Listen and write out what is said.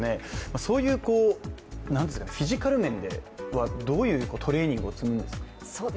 そういうフィジカル面ではどういうトレーニングを積むんですか。